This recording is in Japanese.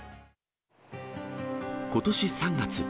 ことし３月。